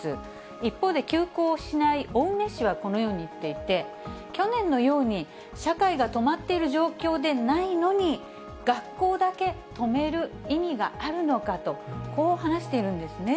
一方で休校しない青梅市は、このように言っていて、去年のように社会が止まっている状況でないのに、学校だけ止める意味があるのかと、こう話しているんですね。